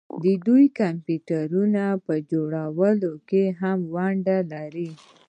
دوی د کمپیوټرونو په جوړولو کې هم ونډه لري.